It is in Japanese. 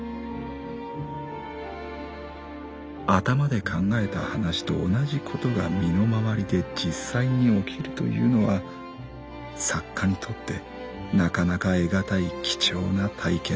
「頭で考えた話と同じことが身の回りで実際に起きるというのは作家にとってなかなか得難い貴重な体験なのである」。